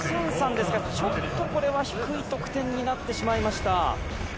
ですからちょっとこれは低い得点になってしまいました。